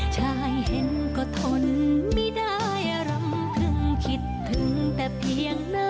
ชายเห็นก็ทนไม่ได้รำถึงคิดถึงแต่เพียงหน้า